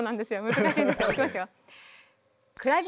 難しいんですよ。いきますよ。